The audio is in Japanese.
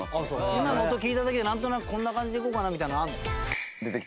今の音聴いただけでなんとなくこんな感じでいこうかなみたいなのあるの？